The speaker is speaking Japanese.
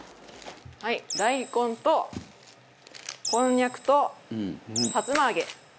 はい大根とこんにゃくとさつま揚げ。